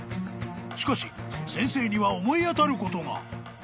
［しかし先生には思い当たることが］